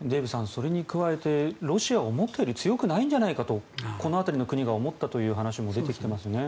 それに加えてロシアは思ったより強くないんじゃないかとこの辺りの国が思ったという話も出てきていますね。